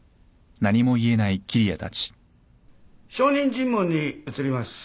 証人尋問に移ります。